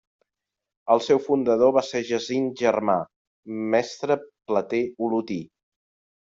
El seu fundador va ser Jacint Germà, mestre plater olotí.